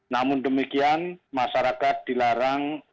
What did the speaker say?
namun demikian masyarakat dilarang